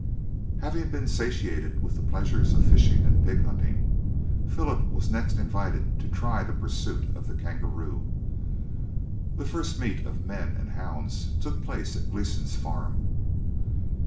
Having been satiated with the pleasures of fishing and pig hunting, Philip was next invited to try the pursuit of the kangaroo. The first meet of men and hounds took place at Gleeson's farm.